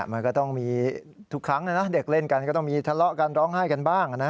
มันก็ต้องมีทุกครั้งนะเด็กเล่นกันก็ต้องมีทะเลาะกันร้องไห้กันบ้างนะ